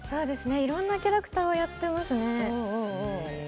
いろんなキャラクターをやっていますね。